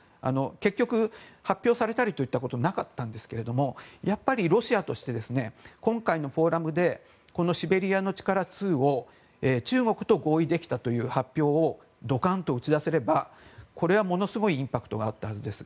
結局、発表されたりといったことはなかったんですがやっぱり、ロシアとして今回のフォーラムでこのシベリアの力２を中国と合意できたという発表を、ドカンと打ち出せればこれはものすごいインパクトがあったはずです。